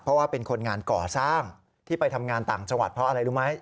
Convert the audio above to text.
เพราะว่าเป็นคนงานก่อสร้างที่ไปทำงานต่างจังหวัดเพราะอะไรรู้ไหม